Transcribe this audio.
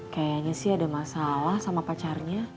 kayaknya sih ada masalah sama pacarnya